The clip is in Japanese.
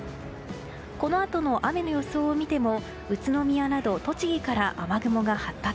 このあとの雨の予想を見ても宇都宮など栃木から雨雲が発達。